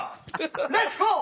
レッツゴー！